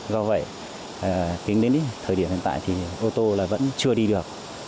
do vậy tính đến thời điểm hiện tại thì ô tô vẫn chưa đi được